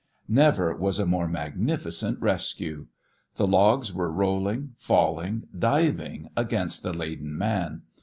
Never was a more magnificent rescue. The logs were rolling, falling, diving against the laden man.